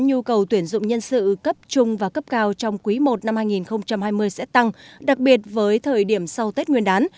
nhu cầu tuyển dụng nhân sự cấp trung và cấp cao trong quý i năm hai nghìn hai mươi sẽ tăng đặc biệt với thời điểm sau tết nguyên đán